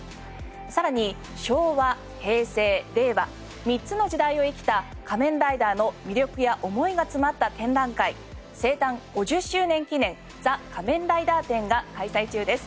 さらに昭和平成令和３つの時代を生きた仮面ライダーの魅力や思いが詰まった展覧会「生誕５０周年記念ＴＨＥ仮面ライダー展」が開催中です。